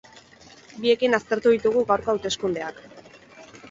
Biekin aztertu ditugu gaurko hauteskundeak.